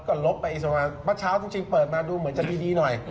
ก่อนลบไปอีกสักวันเมื่อเช้าจริงเปิดมาดูเหมือนจะดีหน่อย